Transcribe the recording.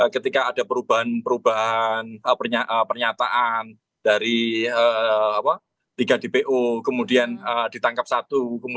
ketika ada perubahan perubahan pernyataan dari tiga dpo kemudian ditangkap satu